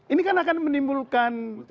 ini kan akan menimbulkan